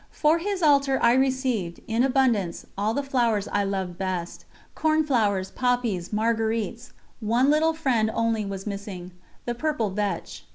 For His Altar I received, in abundance, all the flowers I loved best: cornflowers, poppies, marguerites one little friend only was missing, the purple vetch.